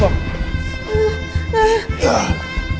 mereka untuk atau akan membeli uang